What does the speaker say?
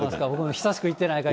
久しく行ってないから。